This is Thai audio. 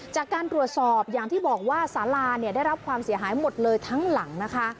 จากการตรวจสอบอย่างที่บอกว่าสาราเนี่ยได้รับความเสียหายหมดเลยทั้งหลังนะคะ